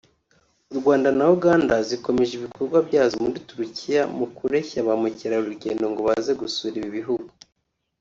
u Rwanda na Uganda zikomeje ibikorwa byazo muri Turukiya mu kureshya ba mukerarugendo ngo baze gusura ibi bihugu